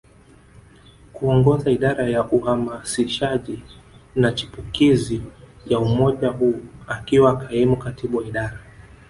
kuongoza Idara ya Uhamasishaji na Chipukizi ya umoja huu akiwa kaimu katibu wa idara